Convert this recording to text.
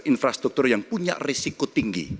infrastruktur yang punya risiko tinggi